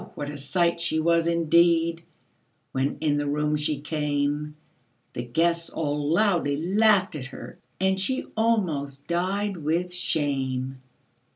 what a sight she was, indeed, When in the room she came; The guests all loudly laughed at her, And she almost died with shame.